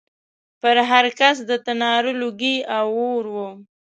پر هر کڅ د تناره لوګی او اور و